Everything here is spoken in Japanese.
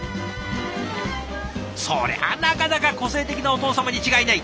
そりゃなかなか個性的なお父様に違いない。